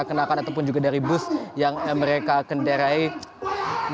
mereka kenalkan ataupun juga dari bus yang mereka kenderaan